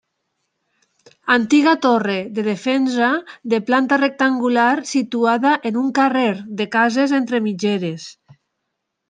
Antiga torre de defensa de planta rectangular situada en un carrer de cases entre mitgeres.